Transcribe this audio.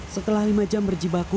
setelah lima jam berjibaku